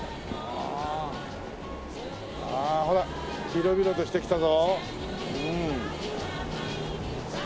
ああほら広々としてきたぞ。